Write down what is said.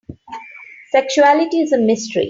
Sexuality is a mystery.